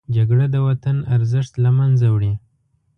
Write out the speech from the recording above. جګړه د وطن ارزښت له منځه وړي